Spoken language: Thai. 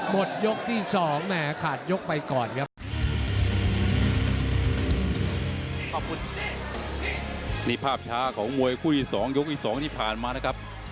บทยกที่สองอะขาดยกไปก่อนครับ